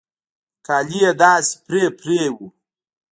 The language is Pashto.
کالي يې داسې پرې پرې وو.